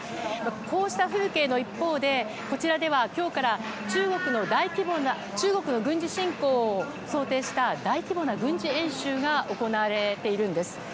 こうした風景の一方でこちらでは今日から中国の軍事侵攻を想定した大規模な軍事演習が行われているんです。